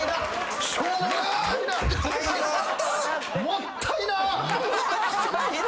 もったいな！